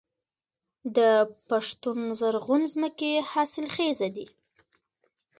د پښتون زرغون ځمکې حاصلخیزه دي